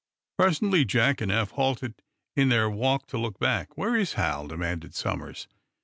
Presently Jack and Eph halted in their walk to look back. "Where is Hal?" demanded Somers.